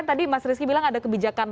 dan mas rizky sendiri sudah mengatakan